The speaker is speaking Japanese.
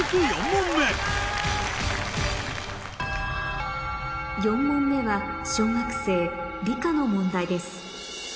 ４問目４問目は小学生の問題です